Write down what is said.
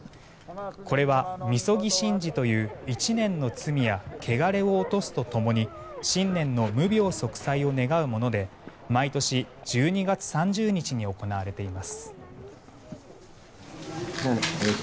これは、みそぎ神事という１年の罪や汚れを落とすとともに新年の無病息災を願うもので毎年１２月３０日に行われています。